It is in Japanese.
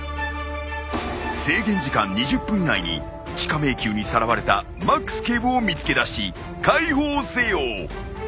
制限時間２０分以内に地下迷宮にさらわれたマックス警部を見つけ出し解放せよ！